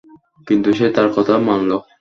কিন্তু সে তার কথা মানল।